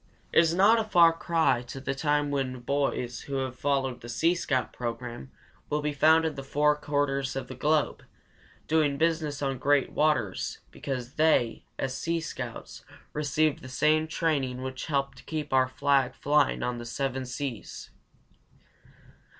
It is not a far cry to the time when boys who have followed the seascout program will be found in the four quarters of the globe, doing business on great waters because they, as sea scouts, received the same training which helped keep our flag flying on the seven seas.